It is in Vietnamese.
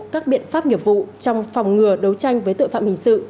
các biện pháp nghiệp vụ trong phòng ngừa đấu tranh với tội phạm hình sự